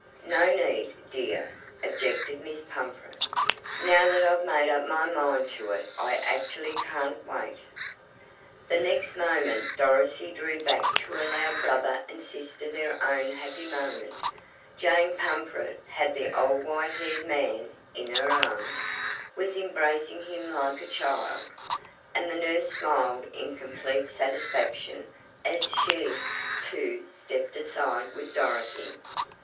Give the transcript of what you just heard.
"No need, dear," objected Miss Pumfret. "Now that I've made up my mind to it I actually can't wait." The next moment Dorothy drew back to allow brother and sister their own happy moment Jane Pumfret had the old white haired man in her arms, was embracing him like a child, and the nurse smiled in complete satisfaction as she, too, stepped aside with Dorothy.